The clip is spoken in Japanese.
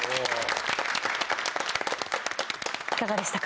いかがでしたか？